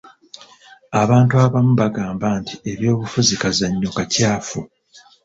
Abantu abamu bagamba nti ebyobufuzi kazannyo kakyafu.